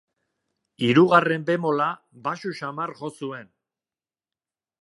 Hirugarren bemola baxu samar jo zuen.